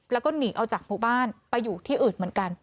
แล้วก็หนีออกจากหมู่บ้านไปอยู่ที่อื่นเหมือนกัน